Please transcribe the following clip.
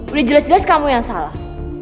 udah jelas jelas kamu yang salah